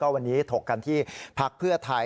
วันนี้ถกกันที่พักภ่าทัย